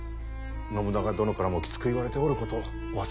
信長殿からもきつく言われておることをお忘れなく。